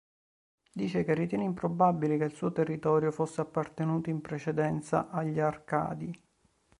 Dice che ritiene improbabile che il suo territorio fosse appartenuto in precedenza agli Arcadi.